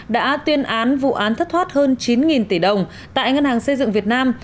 đã tuyên án vụ án thất thoát hơn chín tỷ đồng tại ngân hàng xây dựng việt nam